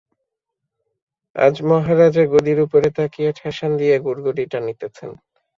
আজ মহারাজা গদির উপরে তাকিয়া ঠেসান দিয়া গুড়গুড়ি টানিতেছেন।